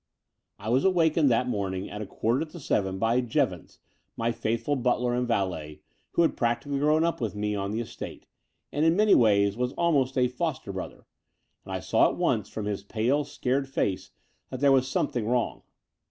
I was awakened that morning at a quarter to seven by Jevons, my faithful butler and valet, who had practically grown up with me on the estate, and in many ways was almost a foster brother ; and I saw at once from his pale, scared face that there was something wrong.